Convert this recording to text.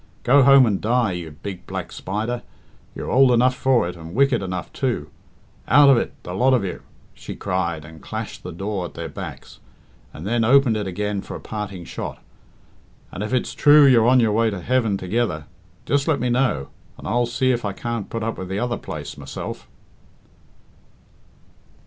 Go home and die, you big black spider you're ould enough for it and wicked enough, too. Out of it, the lot of you!" she cried, and clashed the door at their backs, and then opened it again for a parting shot. "And if it's true you're on your way to heaven together, just let me know, and I'll see if I can't put up with the other place myself."